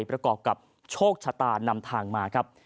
ประกอบกับโชคชะตานำทางมาครับ